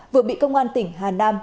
vừa bị công an tỉnh hà nam